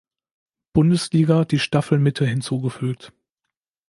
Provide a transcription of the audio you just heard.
Bundesliga die Staffel Mitte hinzugefügt.